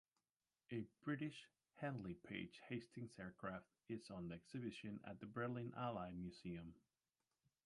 A British Handley Page Hastings aircraft is on exhibition at the Berlin Allied Museum.